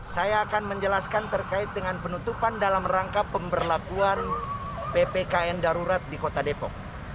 saya akan menjelaskan terkait dengan penutupan dalam rangka pemberlakuan ppkm darurat di kota depok